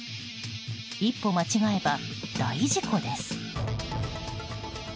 一歩間違えば大事故です。